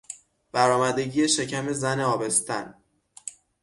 برآمدگی شکم زن آبستن